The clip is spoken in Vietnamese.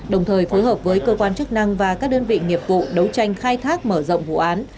đồng thời phối hợp với cơ quan chức năng và các đơn vị nghiệp vụ đấu tranh khai thác mở rộng vụ án